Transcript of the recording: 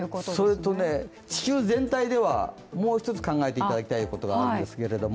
それと、地球全体ではもう一つ考えていただきたいことがあるんです。